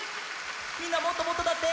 みんなもっともっとだって！